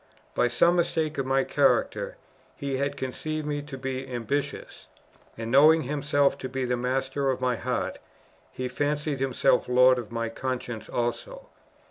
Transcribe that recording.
By some mistake of my character, he had conceived me to be ambitious; and knowing himself to be the master of my heart, he fancied himself lord of my conscience also.